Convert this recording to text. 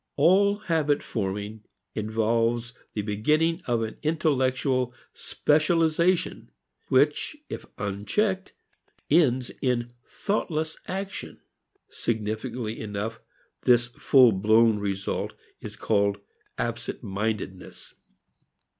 All habit forming involves the beginning of an intellectual specialization which if unchecked ends in thoughtless action. Significantly enough this fullblown result is called absentmindedness.